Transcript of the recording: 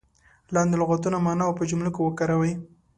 لاندې لغتونه معنا او په جملو کې وکاروئ.